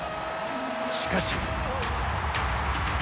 しかし。